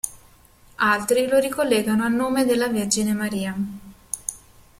Altri lo ricollegano al nome della Vergine Maria.